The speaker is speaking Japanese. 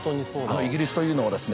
イギリスというのはですね